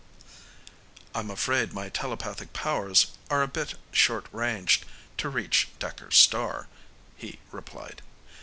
"I'm afraid my telepathic powers are a bit short ranged to reach Dekker's star," he replied.